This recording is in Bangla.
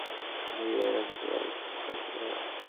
ভিরেন, আমি তোর আওয়াজ শুনতে পারছি না বাবা।